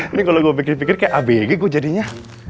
ini kalau gue pikir pikir kayak abg gue jadinya